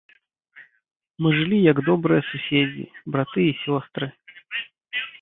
Мы жылі як добрыя суседзі, браты і сёстры.